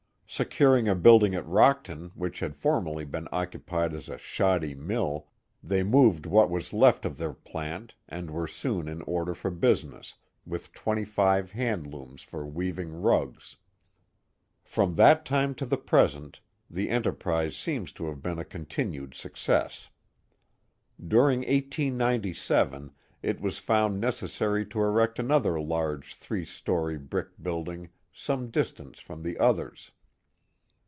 Securing a building at Rockton which had formerly been occupied as a shoddy mill, they moved what was left of their plant, and were soon in order for business, with twenty. five hand looms for weaving rugs. From that time to the present, the enterprise seems to have been a continued success. During 1897 it was found necessary to erect another large three story brick building Early Industries 343 some distance from the others.